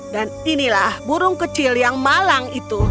inilah burung kecil yang malang itu